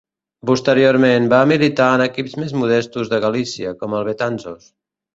Posteriorment, va militar en equips més modestos de Galícia, com el Betanzos.